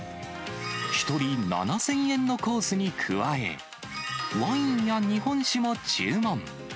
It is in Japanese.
１人７０００円のコースに加え、ワインや日本酒も注文。